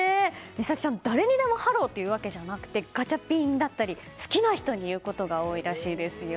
実咲ちゃん、誰にでもハロー！って言うわけじゃなくてガチャピンだったり好きな人に言うことが多いらしいですよ。